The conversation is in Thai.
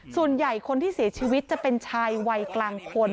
ส่วนใหญ่คนที่เสียชีวิตจะเป็นชายวัยกลางคน